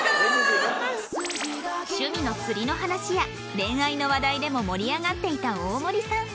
趣味の釣りの話や恋愛の話題でも盛り上がっていた大森さん